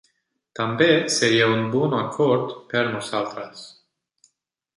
També seria un bon acord per nosaltres.